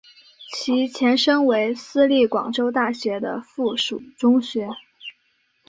其前身为私立广州大学的附属中学。